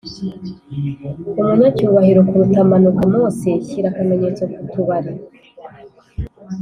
umunyacyubahiro kuruta "manuka, mose." shyira akamenyetso ku tubari,